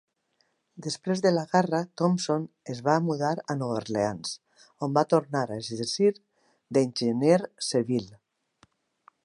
Després de la guerra, Thompson es va mudar a Nova Orleans, on va tornar a exercir d'enginyer civil.